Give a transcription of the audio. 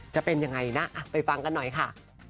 จะเป็นยังไงนะไปฟังกันหน่อยค่ะ